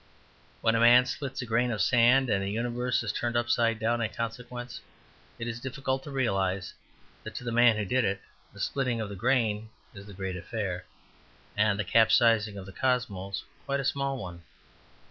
When a man splits a grain of sand and the universe is turned upside down in consequence, it is difficult to realize that to the man who did it, the splitting of the grain is the great affair, and the capsizing of the cosmos quite a small one.